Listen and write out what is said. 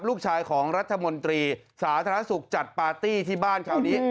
ลูกชายของรัฐมนตรีสาธารณสุขจัดปาร์ตี้ที่บ้านคราวนี้